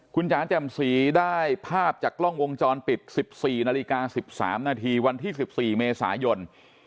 คุณจ๋าแจ่มสีได้ภาพจากกล้องวงจรปิด๑๔นาฬิกา๑๓นาทีวันที่๑๔เมษายน